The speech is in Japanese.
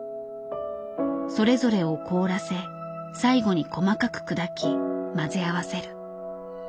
それぞれを凍らせ最後に細かく砕き混ぜ合わせる。